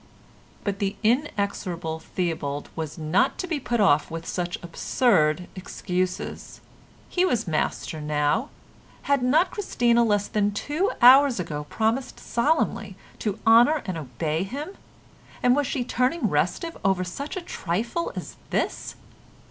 But the inexorable Theobald was not to be put off with such absurd excuses. He was master now. Had not Christina less than two hours ago promised solemnly to honour and obey him, and was she turning restive over such a trifle as this?